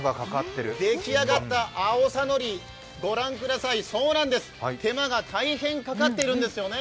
出来上がった青さのり、ご覧ください、そうなんです、手間が大変かかってるんですよね。